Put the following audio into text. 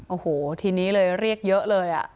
โอ้โหทีนี้เลยเรียกเยอะเลย